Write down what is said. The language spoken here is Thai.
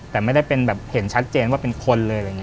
แต่ไม่ได้เป็นแบบเห็นชัดเจนว่าเป็นคนเลย